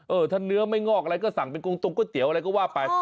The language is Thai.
ถ้าเนื้อไม่งอกอะไรก็สั่งเป็นกงตรงก๋วยเตี๋ยวอะไรก็ว่าไป